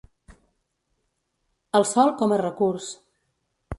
El sòl com a recurs.